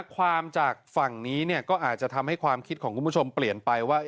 ความจากฝั่งนี้เนี่ยก็อาจจะทำให้ความคิดของคุณผู้ชมเปลี่ยนไปว่า